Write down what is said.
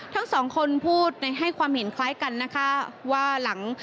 ทั้งสองคนพูดให้ความเห็นคล้ายกันนะคะว่าหลัง